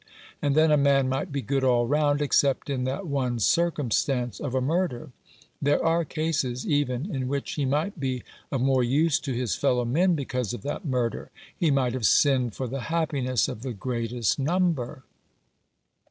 And then a man might be good all round, except in that one circumstance of a murder. There are cases even in which he might be of more use to 289 u Rough Justice. his fellow men because of that murder. He might have sinned for the happiness of the greatest number."